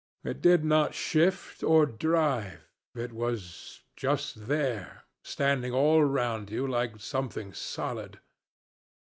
It did not shift or drive; it was just there, standing all round you like something solid.